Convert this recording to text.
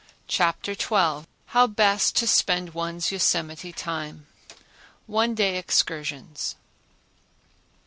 Chapter 12 How Best to Spend One's Yosemite Time One Day Excursions No.